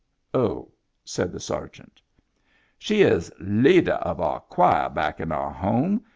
" Oh," said the sergeant. " She is leadah of our choir back in our home.